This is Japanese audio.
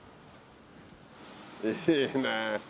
いいね。